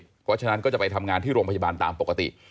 เพราะฉะนั้นก็จะไปทำงานที่โรงพยาบาลตามปกติ